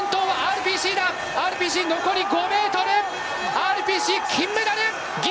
ＲＰＣ、金メダル！